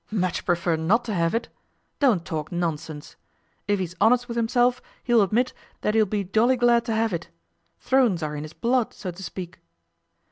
'Much prefer not to have it! Don't talk nonsense. If he's honest with himself, he'll admit that he'll be jolly glad to have it. Thrones are in his blood, so to speak.